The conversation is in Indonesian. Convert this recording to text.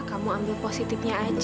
kamu ambil positifnya aja